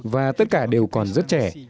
và tất cả đều còn rất trẻ